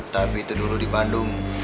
tapi itu dulu di bandung